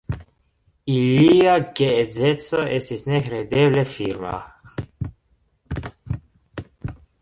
Ilia geedzeco estis nekredeble firma.